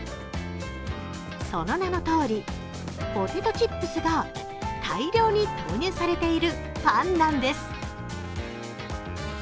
その名のとおり、ポテトチップスが大量に投入されているパンなんです。